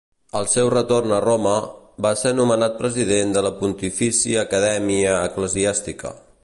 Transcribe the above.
Al seu retorn a Roma, va ser nomenat president de la Pontifícia Acadèmia Eclesiàstica.